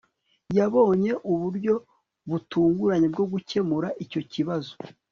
yabonye uburyo butunguranye bwo gukemura icyo kibazo